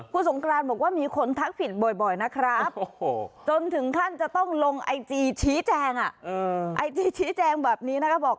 คุณสงกรานบอกว่ามีคนทักผิดบ่อยนะครับจนถึงขั้นจะต้องลงไอจีชี้แจงไอจีชี้แจงแบบนี้นะคะบอก